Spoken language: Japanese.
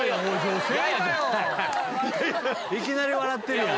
いきなり笑ってるやん。